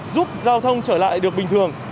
giúp giao thông trở lại được bình thường